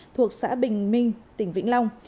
thuộc xã bình minh tỉnh vĩnh long